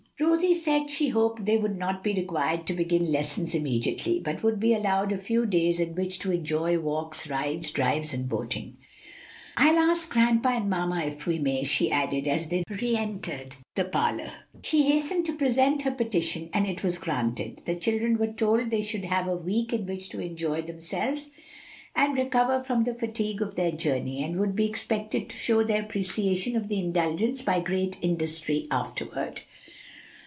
Rosie said she hoped they would not be required to begin lessons immediately, but would be allowed a few days in which to enjoy walks, rides, drives, and boating. "I'll ask grandpa and mamma if we may," she added, as they re entered the parlor. She hastened to present her petition, and it was granted; the children were told they should have a week in which to enjoy themselves and recover from the fatigue of their journey, and would be expected to show their appreciation of the indulgence by great industry afterward.